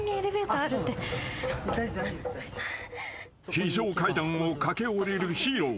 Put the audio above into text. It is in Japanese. ［非常階段を駆け下りるヒーロー］